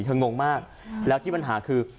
งงมากแล้วที่ปัญหาคือ